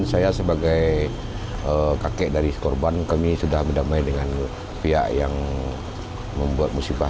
saya sebagai kakek dari korban kami sudah berdamai dengan pihak yang membuat musibah